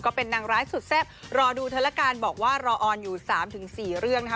ก็เป็นนางร้ายสุดแซ่บรอดูเธอละกันบอกว่ารอออนอยู่๓๔เรื่องนะคะ